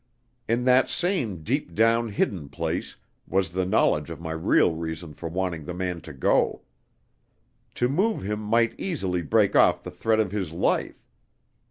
In that same deep down, hidden place, was the knowledge of my real reason for wanting the man to go. To move him might easily break off the thread of his life.